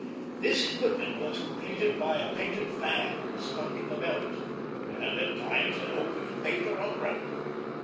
This equipment was completed by a painted fan stuck in the belt, and at times an opened paper umbrella.